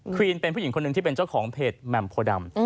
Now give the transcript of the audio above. ครีนเป็นผู้หญิงคนหนึ่งที่เป็นเจ้าของเพจแหม่มโพดำ